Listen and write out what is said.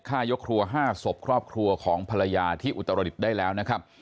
ฆ่ายกครัว๕ศพครอบครัวของภรรยาที่อุตรดิษฐ์ได้แล้วนะครับ